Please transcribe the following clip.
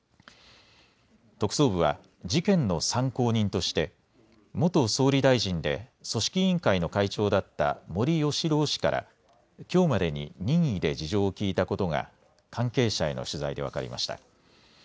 特捜部は事件の参考人として元総理大臣で組織委員会の会長だった森喜朗氏からきょうまでに任意で事情を聴いたことが関係者への取材で分かりました。